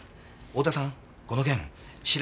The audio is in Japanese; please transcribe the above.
太田さん